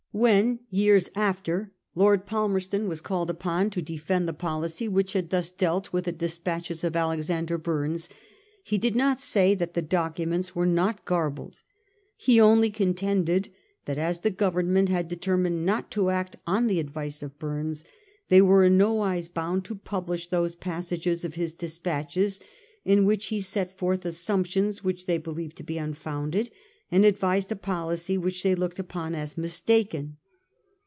When years after Lord Palmerston was called upon to defend the policy which had thus dealt with the despatches of Alexander Bumes, he did not say that the documents were not garbled. He only contended that as the Government had de termined not to act on the advice of Bumes, they were in no wise bound to publish those passages of his despatches in which he set forth assumptions which they believed to be unfounded, and advised a policy which they looked upon as mistaken.